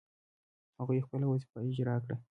هغوی خپله وظیفه اجرا کړه.